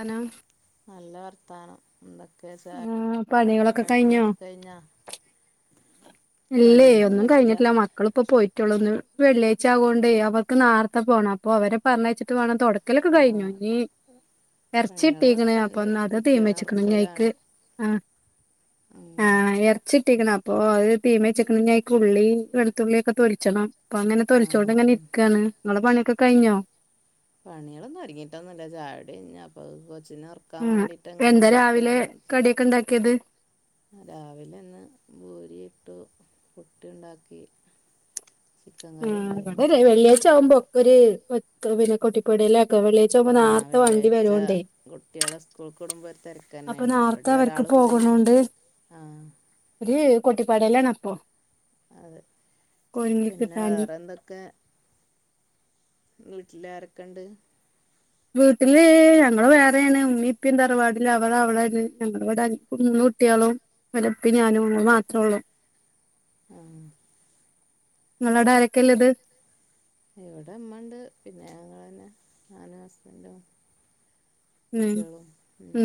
അനാ നല്ല അർത്താനം എന്തൊക്കെ ച്ചാ ആ പണികളൊക്കെ കടി കഴിഞ്ഞോ ഒക്കെ കഴിഞ്ഞാേ ഇല്ലേയ് ഒന്നും കഴിഞ്ഞില്ല കഴിഞ്ഞിട്ടില്ല മക് മക്കള്പ്പോ പോയിറ്റൊള്ളൂന്ന് വെള്ളിയാഴ്ച്ച ആവോണ്ടേ അവർക്ക് ന്നാർത്തെ പോണം അപ്പൊ അവരെ പറഞ്ഞയ്ച്ചിട്ട് വേണം താെടക്കലൊക്കെ കയിഞ്ഞു ആഹ് ഇനി എർച്ചി കിട്ടീക്ക്ണ് പണികളൊക്കെ ഉണ്ട് അപ്പൊന്നാ അത് കുട്ടികളെ തീമെച്ച്ക്ക്ണ് ഇനി അയ്ക്ക് ആഹ് ആഹ് എർച്ചി ട്ടീക്ക്ണ് അപ്പൊ അഅ് തീമെച്ച്ക്ക്ണ് ഇനി അയ്ക്ക് ഉള്ളീം വെളുത്തുള്ളൊക്കെ തൊൽച്ചണം അപ്പൊ അങ്ങനെ ആഹ് തൊലിച്ചോണ്ടങ്ങനെ ആഹ് ഇര്ക്കാണ് ഇങ്ങളെ പണിയൊക്കെ കയിഞ്ഞോ പണ്യാളൊന്നും ഒര്ങ്ങീട്ടൊന്നുല്ല ചായുടി കഴിഞ്ഞു അപ്പൊ കൊച്ചിനെ ഒർക് ക്കാൻവാണ്ടീട്ട് ഇങ്ങനെ ന്ന് ക്കാണ് ച്ച് തേക്ക്ണ്ടാക്ക്യാത് രാവിലെ ഇന്ന് ബൂരി ഇട്ടു പുട്ട് ഇണ്ടാക്കി ആഹ് ഇവടൊര് വെള്ളിയാഴ്ച ആവുമ്പോ ഒക്കെ ഒര് കൊറ്റ് പിന്നെ കൊട്ടിക്കൊട്യലാക്കോ വെള്ളായ് ച്ചാവുമ്പോ ന്നാർത്തെ വണ്ടി വര്യോണ്ടെ കുട്ട്യാളെ സ്കൂക്കുടുമ്പോ ഒര് അപ്പൊ തെരക്കന്നെണ് നാർത്തെ ഇവിടെം അവർക്ക് ഒരാള്പോയി ആഹ് ഒര് കൊട്ടിപ്പട്യലാണ് അപ്പോ അതെ പിന്നെ കിട്ടാന് വേറന്തൊക്കെ വീട്ടിലാരൊക്കണ്ട് വീട്ട്ല് ഞങ്ങള് വേറേണ് ഉമ്മീം ഇപ്പിം തറവാടിലാ അവറ് അവടെ ജീവിക്ക്ന്നത് ഞങ്ങളിവിടെ എൻക്കും മൂന്ന് കുട്ട്യാളും ഇവലപ്പിം ഞാനും ഞങ്ങള് മാത്രെള്ളു ആഹ് ഇങ്ങളോടെ ആരക്കെ ഇല്ലത് ഇവടെ ഇമ്മണ്ട് പിന്നെ ഞങ്ങളന്നെ ഞാനും ഹസ്ബന്റും കുട്ട്യാളും ഉം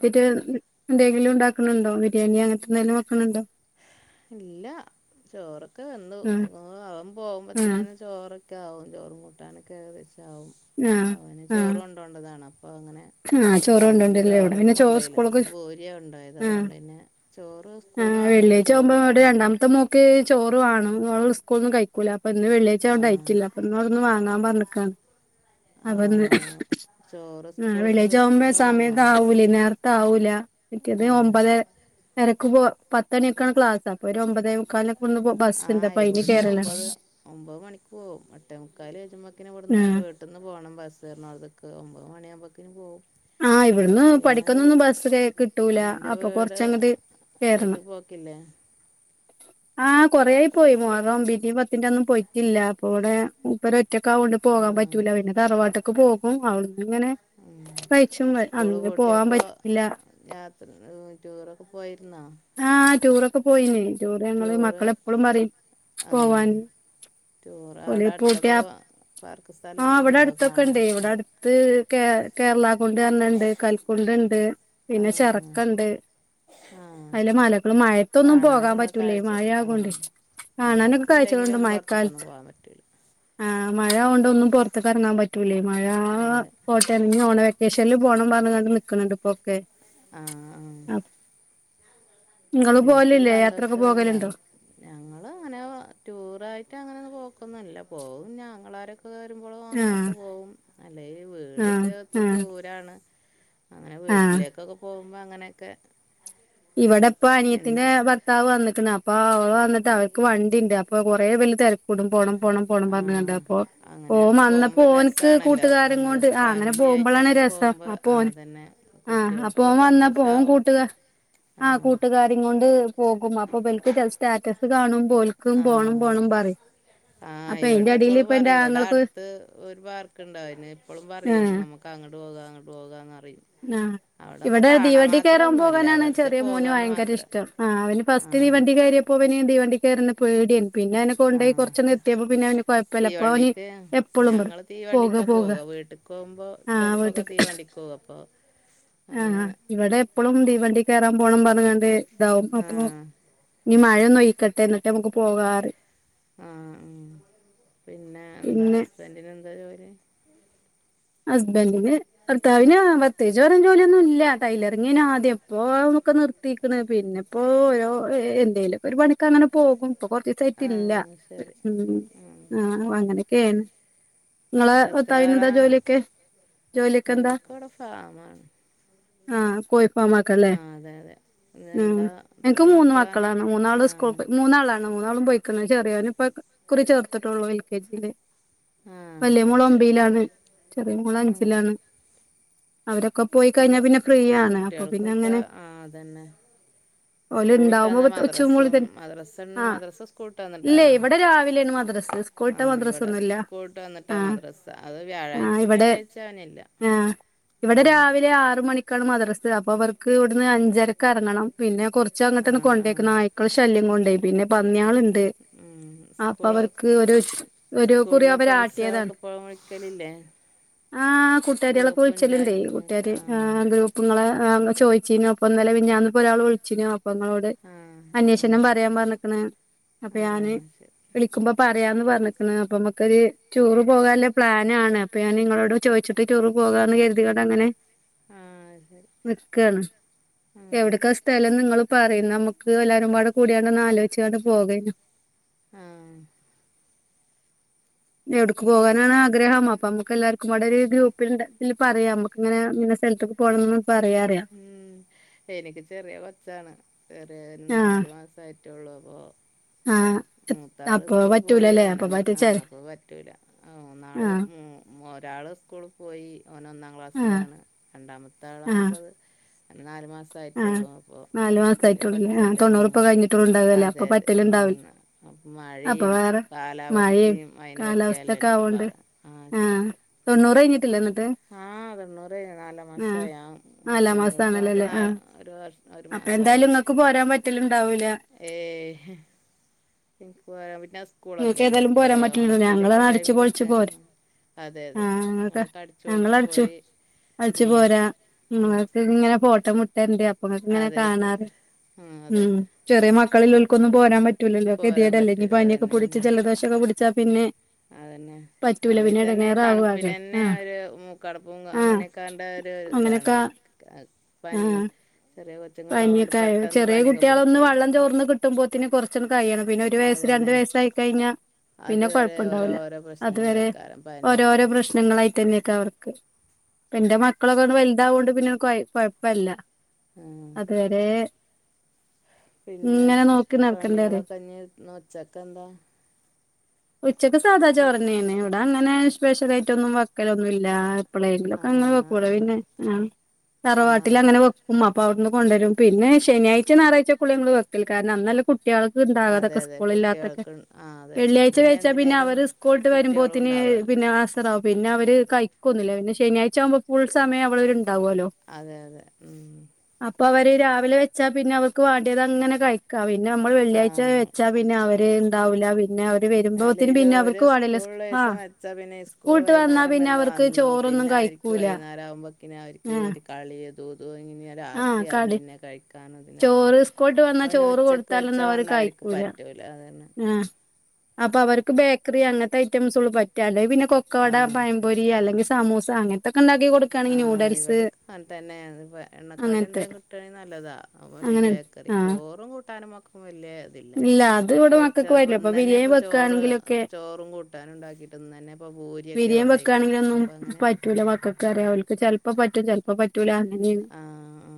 ഇറ്റ് എന്തേങ്കിലും ഇണ്ടാക്ക്ണ്‌ണ്ടോ ബിര്യണിയോ അങ്ങൻത്തെ എന്തെലും വെക്ക്ണ് ണ്ടോ ഇല്ല ചോറൊക്കെ വെന്തു ആഹ് അവ അവൻ ആഹ് പോവുമ്പത്തിനന്നെ ചോറൊക്കെ ആവും ചോറും കൂട്ടാനൊക്കെ ഏകദേശം ആവും ആഹ് അവന് ചോറ് ആഹ് കൊണ്ട് കൊണ്ടകാണം അപ്പോ അങ്ങനെ ആഹ് ചോറ് അവന് ഇന്ന് കൊണ്ടോണ്ടല്ലേ ഇവിടെ ചോറൊന്നും പിന്നെ ചോറ് കൊണ്ടോയില്ല ഇന്ന് സ്കൂൾക്ക് ബൂരിയാ കൊണ്ടോയത് ആഹ് അതോണ്ട് പിന്നെ ചോറ് ഇസ്കൂൾന്ന് വാങ്ങൂല ചോറ് വാങ്ങനെ എന്റെ മോക്ക് ചോറുവാണം ഓള് ഓളെ സ്കൂളിന്ന് കഴിക്ക് ഇല്ലാപ്പന്ന് വെള്ളി ആ ആഴ്ച്ചായോണ്ടായിറ്റില്ല അപ്പൊ ഇന്നൊട്ന്ന് വാങ്ങാൻ പറഞ്ഞേക്കാണ് ആ അപ്പൊ ഇന്ന് ചോറ് ഉം സ്കൂളിൽ വെളിഴ്ച്ചാമ്പോ നിന്ന് വാങ്ങുമോ സമയത്താവൂലെ നേരത്തെ ആവൂല മറ്റത് അത് ഒമ്പതരെ തെരക്ക് പോ പത്തണിയൊക്കെയാ ക്ലാസ് അപ്പോരു ഒമ്പതേമുക്കാല്ന് ആഹ് ഇവിടുന്ന് ഒമ്പത് ഒമ്പത് മണിക്ക് പോവും എട്ടേമുക്കാൽ കജുമ്മത്തേക്ക് ഇവിടുന്ന് ആഹ് വിട് പെട്ടന്ന് പോണം ബസെറുണോട്ത്ത്ക്ക് ഒമ്പത് മണിയാകുമ്പോക്കിന് പോവും ആഹ് ഇവിടന്ന് പിന്നെ പടിക്കന്നൊന്നും ബസ്സ്കിട്ടൂല അപ്പൊ കൊറച്ചങ്ങട്ട് വീട്ടി പോക്കില്ലേ ആഹ് കൊറേപോയി മുഹറം ഒമ്പിന്റേം പത്തിന്റെന്നും പോയിട്ടില്ല അപ്പൊടെ മൂപ്പര് ഒറ്റക്കാവോണ്ട് ആ പോകാൻ പറ്റൂല്ല പിന്നെ തറവാട്ട്ക്ക് പോകും അവിടുന്ന് ങ്ങനെ ഉം സ്കൂള് പോവാൻ പൂട്ടിയപ്പോ പറ്റില്ല യാത്ര ടൂറൊക്കെ പോയിരുന്നോ ആഹ് ടൂറൊക്കെ പോയിന് ടൂർ ഞങ്ങള് ടൂറ് മക്കള എപ്പോഴും പറയും ആ പോവാന്ന് ടൂർ ഓല് അവിടെ അടുത്തൊക്കെ പൂട്ടിയ പോ പാർക്ക് ആഹ് ഇവിടെ സ്ഥലങ്ങളുണ്ടോ അടുത്തൊക്കെ ണ്ട് കാണാനൊക്കെ ഇവിടെ ഉണ്ട്. അട് ത്ത് കേ കേരളാ കുണ്ട് റഞ്ഞെണ്ട് കൽക്കുണ്ടുണ്ട് ആ പിന്നെ ചെറക്കുണ്ട് ആ ആ അയ്ലെ മലകള് മഴത്തൊന്നും പോകാൻ കാണാനുള്ള പറ്റൂലേയ് കാഴ്ച ആ മഴയാകൊണ്ട് കാണാനൊക്കെ കാഴ്ചകളുണ്ട് മഴയത്തല്ലെങ്കിലും പുറത്തേക്കൊന്നും മയക്കാലത്ത് പോകാൻ പറ്റില്ല ആഹ് മഴയകൊണ്ട ഒന്നും പുൊറത്ത കറങ്ങാൻ പറ്റൂലേ മഴ അതെ പോട്ടെ ഇനി ഓണം വെക്കേഷനിൽ പോണം പറഞ്ഞങ്ങാണ്ട് നിക്കുന്നുണ്ട് ഇപ്പോ ഒക്കെ ആഹ് ആഹ് ഇങ്ങള് കുട്ടികൾക്കൊരു പോവലില്ലേ യാത്രൊക്കെ സന്തോഷം ഞാൻ പോകലുണ്ടോ ഞങ്ങള് അങ്ങനെ ടൂറായിട്ട് അങ്ങനെ ഒന്നും പോക്കുന്നില്ല പോകും ഞങ്ങളാരൊക്കെ വരുമ്പളോ ആഹ് അങ്ങനെയൊക്കെ പോകും അല്ലേല് വീട് വെച്ച ആഹ് ഒത്തിരി ആഹ് ദൂരാണ് അങ്ങനെ ആഹ് വീട്ടിലേക്കൊക്കെ പോകുമ്പോൾ അങ്ങനെക്കെ ഇവിടെ പ്പ അനിയത്തിന്റെ ഭർത്താവ് വന്നിക്കണ് അപ്പൊ അവള് വന്നിട്ട് അവർക്ക് വണ്ടിണ്ട് അപ്പൊ കൊറേ ഇവല് തെരക്കൂട്ടും പോണം പോണം പോണം ആ പറഞ്ഞങ്ങാണ്ട് അപ്പൊ അങ്ങനെ ഓൻ വന്നപ്പോ പോകുമ്പോൾ ഒരു ഓന് ഓന്ക്ക് രസമാണല്ലോ കൂട്ടുകാരും നമ്മൾ കൊണ്ട് ആഹ് അങ്ങനെ ഫാമിലി ആയിട്ട് പോകുമ്പളാണ് അങ്ങനെ രസം പോകുമ്പോൾ അപ്പോ ആ ഓന് തന്നെ ആഹ് ഓന് കുട്ടികൾക്കൊരു വന്നപ്പോ ഓൻ സന്തോഷമാവും കൂട്ടുകാർ ആഹ് കൂട്ടുകാരീം കൊണ്ട് പോകും അപ്പൊ ഇബലിക്ക് സ്റ്റാറ്റസ് കാണും മ്പോ ഓലി ഓല്ക്കും പോണം ആഹ് പോണം പറിം ആഹ് ഇവിടെ എപ്പോഴും പറയും ഇവിടെ ആങ്ങൾക്ക് അടുത്ത് ഒരു പാർക്ക് ഉണ്ടായിന് അതിന് എപ്പോഴും പറയും ഏഹ് നമുക്ക് അങ്ങട്ട് പോകാ അങ്ങട്ട് പോകാന്നറിം ആഹ് ഇവിടെ തീവണ്ടി കയറാൻ ഒന്നുല്ല പോകാനാണ് വെറുതെ ചെറിയ മോന് പോകാന്ന് ഭയങ്കര മാത്രം ഇഷ്ടം ആ അവന് ഫസ്റ്റ് ആഹ് തീവണ്ടി കയറിയ അപ്പോവന് തീവണ്ടി കേറ്ന്നെ പേടിയ പിന്നെ അന കൊണ്ടോയി ആഹ് കുറച്ചെങ്ങെത്തിയപ്പ പിന്നെ അവന് കൊഴപ്പല്ല അപ്പൊവന് തീവണ്ടിക്ക് എപ്പഴും പറയും പോക പോക പോവുമ്പോൾ ആഹ് ചിലപ്പോക്കെ വീട്ട്ക്ക് തീ വണ്ടിക്ക് പോകപ്പോ ആഹ് ഇവിടെ എപ്പളും ദീവണ്ടി കയറാൻ പോണം പറഞ്ഞങ്ങാണ്ട് ഇതാവും അപ്പൊ ആഹ് ഈ മഴയൊന്നൊയിക്കട്ടെ ന്നിട്ട് മ്മക്ക് പോകാറിമ് ആഹ് ഉം പിന്നേ എന്താ പിന്നെ ഹസ്ബന്റിനെന്താ ജോലി ഹസ്ബൻറിന് ഭർത്താവിന് പ്രത്യേകിച്ച് പറയാൻ ജോലിയൊന്നുല്ല ടൈലറിങ്ങേനു ആദ്യം പ്പോതൊക്കെ നിർത്തിക്കണ് പിന്നെപ്പോ ഓരോ എന്തേലും ഒരു പണിക്ക് അങ്ങനെ പോകും ഇപ്പൊ കൊറച്ചീസായിട്ടില്ല ആഹ് ശരി ഉം ആഹ് അങ്ങനോക്കെ ഒക്കെയാണ് നിങ്ങളെ എത്ര ഭർത്താവിനെന്താ ആളാ ജോലി ജോലിക്കന്താ ഓര്ക്കവിടെ ഫാമാണ് ആഹ് പോയോ പോവുമ്മാക്കല്ലെ. ആ അതെ അതെ ഏഹ് എന്താ എനിക്ക് എത്ര മൂന്ന് മക്കളാണ്. മൂന്നാള് ആ സ്കൂൾ പോയി. മൂന്നാളാണ്. മൂന്നാളും പോയ്ക്ക്ണ്. ചെറിയോന് പ്പൊ ഇക്കുറി ചേർത്തിട്ടുള്ളൂ. എൽ കെ ജി ല്. ആ വല്യ അത് മോള് ശരി ഒമ്പതിലാണ്. ചെറിയ മോള് ഉം അഞ്ചിലാണ്. അവരൊക്കെ പോയി ഇപ്പോൾ കഴിഞ്ഞാ പിന്നെ ഫ്രീയാണ്. അപ്പൊ പിന്നെ കുട്ടികൾക്കൊക്കെ അങ്ങനെ ആ അതന്നെ ഓല് സ്കൂൾ വിട്ട് ഇണ്ടാവുമ്പോ വന്നാൽ ഉച്ച മൂളി മദ്രസും തന്നെ. മദ്രസ ആഹ് മദ്രസ സ്കൂൾ വിട്ട് ഇല്ലെ വന്നിട്ടാണോ ഇവിടെ രാവിലെയാണ് മദ്രസ് ആ സ്‌കൂൾട്ടാ ഇവിടെ മദ്രസൊന്നൂല്ല. സ്കൂൾ വിട്ട് വന്നിട്ടാ ആഹ് മദ്രസ അത് ക്യാ ആഹ് ഇവിടെ ആഹ് ഇവിടെ അങ്ങനെ രാവിലെ ആറു മണി ക്കാണ് മദ്രസ്. അപ്പൊ ഇവർക്ക് ഇവിടുന്ന് അഞ്ചരക്ക് ഇറങ്ങണം. പിന്നെ കുറച്ച് അങ്ങട്ട് ആ ഒന്ന് ആ കൊണ്ടേക്ക് നായ്ക്കൾടെ ശല്യം കൊണ്ടെ. പിന്നെ പന്നികളു ണ്ട് ഉം അപ്പ സ്കൂള് അവർക്ക് ഒരു ഒരു കുറി അവര് ആട്ടിയതാണ്. ക്കലില്ലേ. ആഹ് കൂട്ടുകാരികളൊക്കെ വിളിച്ചല് ഉണ്ടേ. ചാറ്റിങ്ങൊക്കെ കൂട്ടുകാര് ആ ഗ്രൂ പ്പുങ്ങള് ആഹ് ചോദിച്ചീനു. അപ്പൊ ഇന്നലെ മിനിഞ്ഞാന്ന് ഒരാള് വിളിച്ചിനു. അപ്പങ്ങളോട് ആ ആ അന്വേഷണം പറയാൻ പറഞ്ഞിക്കണ്. അപ്പൊ ആ ഞാന് ശരി വിളിക്കുമ്പോ പറയാന്ന് പറഞ്ഞിക്കണ്. അപ്പൊ ഇമ്മക്കൊരു ടൂറ് പോകാനുള്ള പ്ലാ നാണ്. അപ്പൊ ഞാൻ നിങ്ങളോട് ചോദിച്ചിട്ട് ടൂറ് പോകാന്ന് കരുതിക്കൊണ്ട് അങ്ങനെ ആഹ് അയ് ശരി. നിക്കാണ്. ഉം എവിടക്കാ സ്ഥലന്ന് നിങ്ങള് പറയ്. എന്നാ നമുക്ക് എല്ലാവരും പാടെ കൂടിയാണ്ട് ആലോചിച്ചാണ്ട് പോകായ്നു. ആഹ്. എവിടുക്ക് പോകാനാണ് ആഗ്രഹം? അപ്പമ്മക്ക് ക്ക് എല്ലാവർക്കും കൂടൊരു ഗ്രൂപ്പിലിണ്ടാ ഇതില് പറയാ. നമുക്കിങ്ങനെ ഇന്ന സ്ഥലത്തക്ക് പോകണംന്ന് പറയാ അറിയാ ഉം എനിക്ക് ചെറിയ കൊച്ചാണ് ചെറിയവന് ആഹ് നാലു മാസമായിട്ടൊള്ളൂ. അപ്പൊ ആഹ് മൂത്താള് അപ്പൊ സ്കൂള് പോയി. പറ്റൂലല്ലേ ഓന് അപ്പൊ അന്ന് പറ്റിച്ചാൽ അപ്പോ പറ്റൂല. മൂന്നാള് ആഹ് മൂ ഒരാള് സ്കൂള് പോയി. ഓനൊന്നാം ആഹ് ക്ലാസ്സിലാണ്. രണ്ടാമത്തെ ആളാണ് ആഹ് ഇപ്പൊ അത് അതിന് നാല് ആഹ് മാസമായിട്ടെള്ളൂ. അപ്പോ നാല് ചെറിയ മാസായിട്ടുള്ളൂല്ലേ കൊച്ചല്ലേ. ആഹ് തൊണ്ണൂറുപ്പ കഴിഞ്ഞിട്ടുള്ളൂ ഉണ്ടാവല്ലേ അതെ അപ്പൊ അതെ. പറ്റലുണ്ടാവില്ല അപ്പം അപ്പൊ മഴയും വേറെ മഴയും കാലാവസ്ഥയും അതിനു കാലാവസ്ഥൊക്കെ പറ്റിയതലല്ലോ. ആവോണ്ട് അപ്പം ആഹ് ശരി. തൊണ്ണൂറ് കഴിഞ്ഞിട്ടില്ലേ അന്നട്ട്. ആഹ് തൊണ്ണൂറ് കഴിഞ്ഞ്. നാലാം മാസായി. ആഹ് നാലാം ഹസ്ബൻഡുകൾക്ക് വന്നിട്ട് മാസാണല്ലോല്ലേ നാ ആഹ് ഒരു വർ ഒരു അപ്പൊ മാസായി. എന്തായാലും ഇങ്ങക്ക് പോരാൻ പറ്റലുണ്ടാവൂല ഏയ് എനിക്ക് പോരാൻ പിന്നെ നിങ്ങൾക്ക് സ്കൂളൊക്കെയല്ലേ. ഏതായാലും പോരാൻ പോയാ പറ്റില്ലല്ലോ ഓണത്തിന്റെ ഞങ്ങള് ഒക്കെ അടിച്ചു പൊളിച്ചു ടൈമിലൊക്കെ പോരും അതെ അതെ. ആഹ് ഞങ്ങൾക്ക് നിങ്ങളൊക്കെ അടിച്ചു ഞങ്ങള് പൊളിച്ചു അടിച്ചു പോയി അടിച്ചു ഉം, പോരാ അതെ നിങ്ങക്ക് ഇങ്ങനെ ഫോട്ടം ഇട്ടരൻ്റ് അപ്പ ഇങ്ങക്കിങ്ങനെ അതെ കാണാലോ. ആയിക്കോട്ടെ ആ അതെ ഉം ചെറിയ മക്കളില്ലേൽക്കൊന്നും പോരാൻ പറ്റൂല്ലല്ലോ. പോരാൻ ഗതികേടല്ലേ. പറ്റില്ല ഇനിയിപ്പെ പനിയൊക്കെ അതന്നെ പിടിച്ച് ഉം. ജലദോഷൊക്കെ പിടി ച്ചാ പിന്നെ അതന്നെ. പറ്റൂല അല്ലെങ്കി പിന്നെ തന്നെ ഈ എടങ്ങേറാവും തണുപ്പിന് ആകെ തന്നെ ആഹ് ഒരു മൂക്കടപ്പും ആഹ് അങ്ങനെയൊക്കാണ്ട് ഒരു ഇതാണ് അങ്ങനൊക്കെ അവനിക്ക്. ക്ക് പനി ആഹ് ചെറിയ കൊച്ചുങ്ങളാകൊണ്ട് പനിയൊക്കെ ആയ പെട്ടെന്ന് ചെറിയ പനിയൊക്കെ കുട്ടികളൊന്ന് പടിക്കുവല്ല. വെള്ളം അത് ചോർന്ന് കിട്ടുമ്പോത്തിന് കുറച്ചൊക്കെ കഴിയണം. പിന്നെ ഒരു വയസ് രണ്ടു അതന്നെ വയസ്സായി കഴിഞ്ഞാ പിന്നെ അതുവരെ കൊഴപ്പുണ്ടാവൂല്ല. ഓരോരോ അതുവരെ പ്രശ്നങ്ങളേക്കാരം പനി അതും ഓരോരോ ഇതൊക്കെ പ്രശ്നങ്ങളായിട്ട് തന്നേക്ക് അവർക്ക്. എന്റെ മക്കളൊക്കെ ഒന്ന് വലുതാവോണ്ട് പിന്നെ കൊയ കൊയപ്പല്ല. ഉം. അതെ ദേ പിന്നെ നോക്കി നടക്കണ്ടേരെ പണികളൊക്കെ ഇഞ്ഞീ ഇന്ന് ഉച്ചക്കെന്താ. ഉച്ചയ്ക്ക് സാധാ ചോറ് തന്നെയാണ്. ഇവിടെ അങ്ങനെ സ്പെഷ്യലായിട്ടൊന്നും വക്കലൊന്നുംല്ല. ആ അപ്പളേങ്കിലൊക്കെ അങ്ങനെ വെക്കുവോളൂ അങ്ങനെ പിന്നെ. ആഹ് ആ തറവാ അപ്പ അവിടുന്ന് കൊണ്ടുവരും. പിന്നെ ശനിയാഴ്ച ഞായറാഴ്ച്ചക്കുള്ള ഞങ്ങള് വെക്കല്. കാരണം അന്നല്ലെ കുട്ടികൾക്ക് അതെ ഇണ്ടാകാതൊക്കെ അതെ സ്കൂളില്ലാത്തൊക്കെ. കുട്ടികൾക്ക് ഉൺ- ആ അതെ വെള്ളിയാഴ്ച കഴിച്ചാ പിന്നെ എന്തിനേലും അവര് സ്കൂൾ വിട്ട് കുട്ടികളും വരുമ്പോത്തിന് ഉണ്ടാവുമല്ലോ പിന്നെ വാസ് തതാവും പിന്നെ അവര് കഴിക്കൊന്നുല്ല പിന്നെ ശനിയാഴ്ചവുമ്പോ ഫുൾ സമയം അവള് വരുണ്ടാവുല്ലോ അതെ അതെ ഉം അപ്പൊ അവര് രാവിലെ വച്ചാ പിന്നെ അവർക്ക് വാണ്ടിയത്ങ്ങനെ കഴി ക്ക പിന്നമ്മള് വെള്ളിയാഴ്ച ആഹ് വെച്ചാ പിന്നവര്ണ്ടാവൂല പിന്നെ അവ അല്ലേലുവര് സ്കൂള് ആഹ് ള്ളീസം വെച്ചാ പിന്നെ സ്കൂൾ സ്കൂൾട്ട് വന്നാ വൈകുന്നാരം പിന്നെ വന്ന് അവർക്ക് വന്നു ചോറൊന്നും പിന്നവര് ക്ക് കഴിക്കൂല വൈന്നാരിവുമ്പക്കിന് അവര്ക്ക് ആഹ് ഒരു കളി തു തു ഇഞ് ആഹ് രാത്രിയാവും കടി പിന്നെ കഴിക്കാനും ഇതിനൊപിന്നെ ചോറ് സ്കൂൾട്ട് വന്നാ ചോറ് അവന്നൊച്ചക്ക് കൊടുത്താലൊന്നും അവര് വെച്ചോണ്ടായിരിക്കും പ റ്റൂല അതന്നെ അപ്പ അവർക്ക് ബേക്കറി അങ്ങത്തെ ഐറ്റംസ്ള്ളു പറ്റാ അല്ലങ്കി പിന്നെ കൊക്കവട ആഹ് പയംപൊരി അല്ലെങ്കി സമൂസ അങ്ങൻത്തൊക്കെണ്ടാക്കി കൊടുക്കണങ്കി ന്യൂഡൽസ് അ തന്നെ എണ്ണക്കടി എന്തേം കിട്ടാണേ നല്ലതാ ഒന്നുല്ലേ ഈ അങ്ങനെ ബേക്കറി ആഹ് ചോറും കൂട്ടാനും മക്കക്കും വല്ല്യേ ഇതില്ല ഇല്ല അത് ഇവിടെ മക്കൾക്ക് പറ്റില്ല ഇപ്പൊ പൊര്ച്ചപ്പന്നന്നെ ബിരിയാണി പ്പ ചോറ് വെക്കുകയാണെങ്കിലൊക്കെ ചോറും കൂ ട്ടാന്ണ്ടാക്കിട്ട് ഇന്നന്നെപ്പൊ പൂരി ബിരിയം വെക്കാണങ്കിലൊന്നു പ റ്റൂല മക്കക്ക്റിയാം ഓൽക്ക് ചെൽപ്പൊ പറ്റും ചെൽപ്പൊ പറ്റൂല അങ്ങനെണ് ആഹ്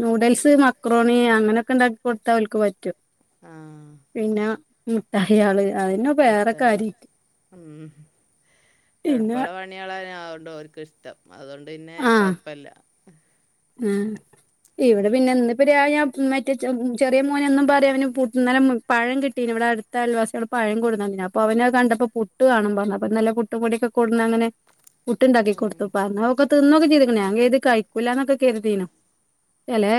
നൂഡിൽസ് മക്രോണി അങ്ങനൊക്കണ്ടാക്കി കൊടുത്താ ഓൽക്ക് പറ്റും ആഹ് പിന്നെ മുഠായാള് അതിന്ന് വേറെ മുട്ടായി കാരി ഉം പിന്നെ എൾപ്പള്ള പണികളന്നാ അ ഓണ്ട് ഓര്ക്ക്ഷ്ടം അതോണ്ട്ന്നെ കൊഴപ്പല്ല ഉം ഇവിടെ പിന്നെ ഇന്ന്പ്പ രാവിഞാ മറ്റേ ചെറിയ മോനെന്നും പറിം അവന് പുട്ട് ഇന്നലെ പഴം കിട്ടീനി ഇവിടെ അട് ത്ത അയൽവാസിയാള് പഴം കൊട്ന്നന്നീനി അപ്പൊ അവന കണ്ടപ്പോ പുട്ട് വാണം പറഞ്ഞ് അപ്പന്നലെ പുട്ട് പൊടിക്കെ കൊട്ന്നന്നണ് പുട്ട്ണ്ടാക്കി ഉം കൊടുത്തു പറഞ്ഞൊക്കെ തിന്നൊക്കെ ചെയ്തിക്ക്ണ് ഞാ കര്തി കഴിക്കൂലന്നൊക്കെ ക കെര്തീനു എലേ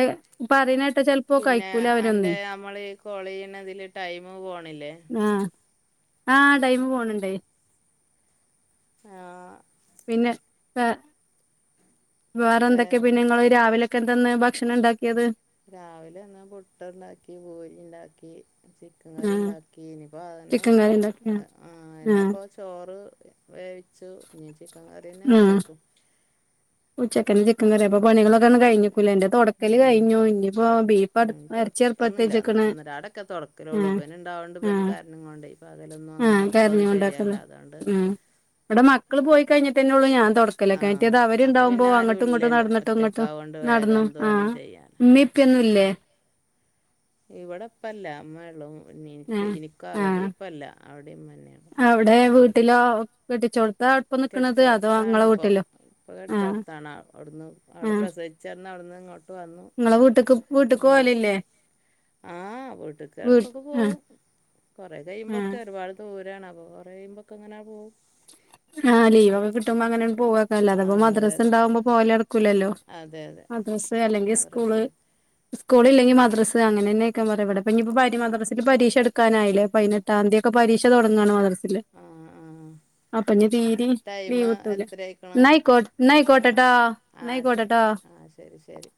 പറിണെട്ട ചെൽ പിന്നെ അന്റെ നമ്മള് ഈ കോള്യ്യ്ണതില് ടൈമ് പോണില്ലേ ആഹ് ആഹ് ടൈമ് പോണ് ണ്ട് ആഹ് പിന്നെ പെ വേറെന്തൊക്കെ വേറെ പിന്നെ ഇങ്ങള് രാവിലൊക്കെ എന്തന്ന് ഭക്ഷണംണ്ടാക്കിയത് രാവിലെ ഇന്ന് പുട്ട്ണ്ടാക്കി പൂരി ഇണ്ടാക്കി ചി ക്കം കറി ആഹ് ഇണ്ടാക്കി ഇനിപ്പ ചിക്കൻ അതന്നെപ്പോ കറി ഇണ്ടാക്കി ആ ആഹ് അ ആഹ് എന്നെപ്പൊ ചോറ് വേവിച്ചു ഇഞ്ഞ് ചിക്കം കറിന്നെ ഉച്ചക്കും ഉച്ചക്കെൻ ചിക്കം കറിയ. അപ്പ പണികളൊക്കാന്ന് കഴിഞ്ഞിക്കുലേ അന്റെ തൊടക്കല് ഉം കയിഞ്ഞു ഇഞ്ഞിപ്പോ ബീഫട് ഉം എറച്ചി അട്പ്പത്തെച്ച്ക്കണ് ക്ക്ലള്ളൂ ഇവന്ണ്ടാവണ്ട് ഇവന് കരഞ്ഞ് കൊണ്ടെ പകലൊന്നുവങ്ങനെ ആഹ് ഒർക്കൊന്നും ശരിയല്ല കരഞ്ഞോണ്ടാക്ക്ന്ന് അതോണ്ട് ഉം ഇവിടെ മക്കള് പോയി കഴിഞ്ഞിട്ടന്നെള്ളൂ ഞാൻ ആ തൊടക്കലൊക്കെ മറ്റേത് അവ അപ്പൊ ര്ണ്ടാവുമ്പോ പിന്നെ ആരും അങ്ങട്ടുങ്ങട്ടും ഇല്ലല്ലോ നടന്നിട്ടും ഇങ്ങട്ട് ഒറ്റക്കാവോണ്ട് വേഗം നടന്നു എന്ത് ആഹ് വേണേം ചെയ്യാലോ ഇമ്മിംഇപ്പിം ഒന്നുല്ലേ ഇവിടെ ഇപ്പല്ല മ്മേള്ളു നിൻക്ക് ആഹ് ഇൻക്ക് ആഹ് അവിടേപ്പല്ല അവിടിം ഇമ്മന്നെള്ളു അവിടെ വീട്ടിലോ കെട്ടിച്ചോട്ത്താ ഇപ്പം നിക്ക്ണത് അതോ ഇങ്ങളെ കെട്ടിച്ചോട്ത്താണിപ്പൊ വീട്ടിലോ ഇപ്പ ആഹ് കെടിച്ചോട്ത്താണ് ഔട്ന്ന് ഔടെ ആഹ് പ്രസവി ച്ചന്ന് ഔട്ന്ന്ങ്ങോട്ട് വന്നു ഇങ്ങളെ വീട്ട്ക്ക് വീട്ട്ക്ക് ഒരു പോവലില്ലേ മാസായി ആഹ് വീട്ട്ക്ക് വീട്ട് എടക്കൊക്കെ ആഹ് പോവും കൊറേ ആഹ് കയുമ്പൊക്കെ ഒരുപാട് ദൂരാണ് അപ്പം കൊറെ കഴുമ്പൊക്കെങ്ങനാ പോവും ആഹ് ലീവൊക്കെ കിട്ടുമ്പോ അങ്ങനെണ്ട് പോവാക്കല്ലാ ആ അല്ലാത്പ്പൊ അതെ മദ്രസ് അതെ ഇണ്ടാമ്പോ പോവലട്ക്കൂലല്ലോ അതെ അതെ മദ്രസേണ്ട് സ്കൂളില്ലെങ്കി മദ്രസ് അങ്ങനെന്നെക്കാ പറയാ ഇവിടെപ്പ ഇഞ്ഞിപ്പ പര് മദ്രാസിക്ക് പരീക്ഷ അടുക്കാനായില്ലേ പയിന ട്ടാന്തിക്കെ പരീക്ഷ തൊടങ്ങാണ് മദർസില് ആഹ് ആഹ് അപ്പൊഞ്ഞി തീരിം ലീവ് ഇട്ടൂല ന്നയ്കോ ന്നയ്കോട്ടട്ടോ ആഹ് ശരി ആഹ് ശരി ശരി